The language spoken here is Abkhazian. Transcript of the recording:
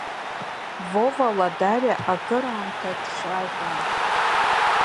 Вова Ладариа акыраамҭа дцәажәон.